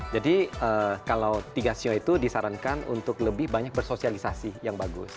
jadi kalau tiga sio itu disarankan untuk lebih banyak bersosialisasi yang bagus